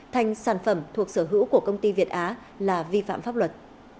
thành sản phẩm thuộc sở hữu của công ty việt á là vi phạm pháp luật